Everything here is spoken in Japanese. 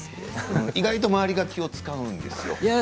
意外と周りが気を遣うんですよ。